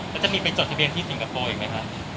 แล้วจะมีไปจดทะเบียนที่สิงคโปร์อีกไหมคะ